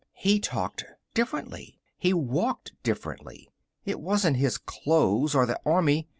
He talked differently. He walked differently. It wasn't his clothes or the army.